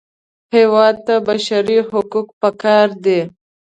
هېواد ته بشري حقوق پکار دي